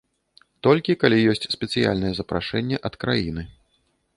Толькі калі ёсць спецыяльнае запрашэнне ад краіны.